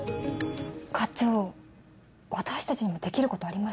課長私たちにもできることありました。